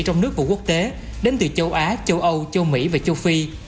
trong nước và quốc tế đến từ châu á châu âu châu mỹ và châu phi